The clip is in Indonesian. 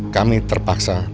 kami terpaksa menangis